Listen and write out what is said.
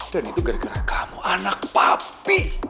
dan itu gara gara kamu anak papi